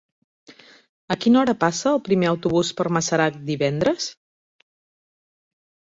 A quina hora passa el primer autobús per Masarac divendres?